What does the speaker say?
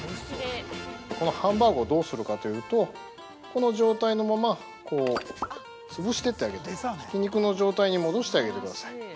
◆このハンバーグをどうするかというと、この状態のまま、こう、潰していってあげて、ひき肉の状態に戻してあげてください。